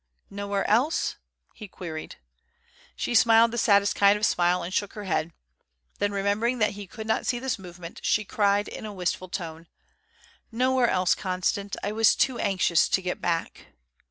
"Nowhere else?" he queried. She smiled the saddest kind of smile and shook her head; then, remembering that he could not see this movement, she cried in a wistful tone: "Nowhere else, Constant; I was too anxious to get back."